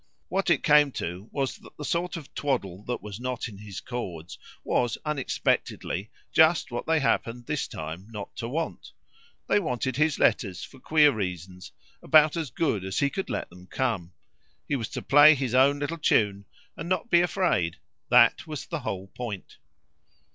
What it came to was that the sort of twaddle that wasn't in his chords was, unexpectedly, just what they happened this time not to want. They wanted his letters, for queer reasons, about as good as he could let them come; he was to play his own little tune and not be afraid: that was the whole point.